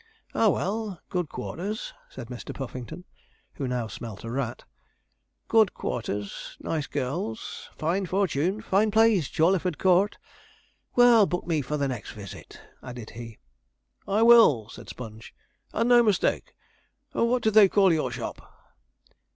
'Ah, well good quarters,' said Mr. Puffington, who now smelt a rat; 'good quarters nice girls fine fortune fine place, Jawleyford Court. Well, book me for the next visit,' added he. 'I will,' said Sponge, 'and no mistake. What do they call your shop?'